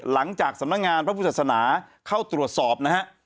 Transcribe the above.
หลังจากสำนักงานพระพุทธศาสนาเข้าตรวจสอบนะฮะ